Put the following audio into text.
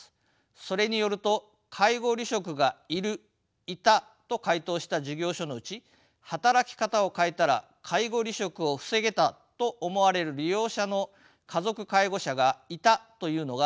それによると介護離職がいる・いたと回答した事業所のうち働き方を変えたら介護離職を防げたと思われる利用者の家族介護者がいたというのが約４割でした。